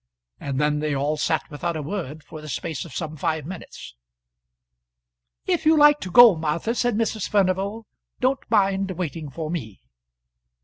And then they all sat without a word for the space of some five minutes. "If you like to go, Martha," said Mrs. Furnival, "don't mind waiting for me."